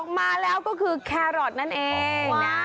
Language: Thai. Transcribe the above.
มาแล้วก็คือแครอทนั่นเองนะ